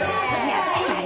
やっぱり。